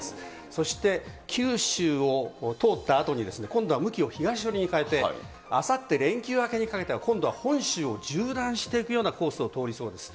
そして九州を通ったあとに、今度は向きを東寄りに変えて、あさって連休明けにかけては、今度は本州を縦断していくようなコースを通りそうです。